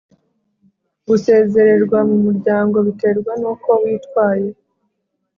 gusezererwa mu muryango biterwa nuko witwaye